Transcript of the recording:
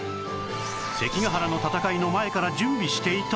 関ヶ原の戦いの前から準備していた？